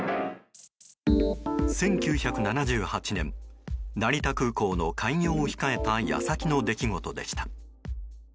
１９７８年、成田空港の開業を控えた矢先の出来事でした。